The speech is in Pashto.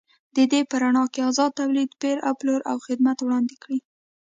د دې په رڼا کې ازاد تولید، پېر او پلور او خدمات وړاندې کړي.